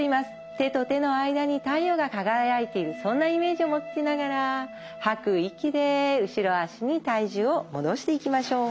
手と手の間に太陽が輝いてるそんなイメージを持ちながら吐く息で後ろ足に体重を戻していきましょう。